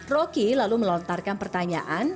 roky lalu melontarkan pertanyaan